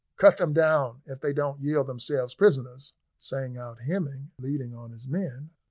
"Cut them down, if they don't yield themselves prisoners," sang out Hemming, leading on his men.